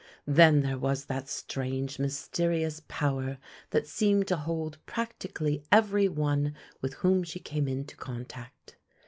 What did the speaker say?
Then there was that strange mysterious power that seemed to hold practically every one with whom she came into contact.